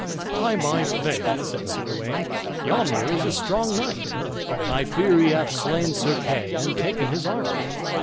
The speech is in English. "By my faith," said Sir Uwaine, "yonder is a strong knight, and I fear he hath slain Sir Kay, and taken his armor."